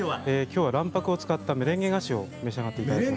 今日は卵白を使ったメレンゲ菓子を召し上がって頂きます。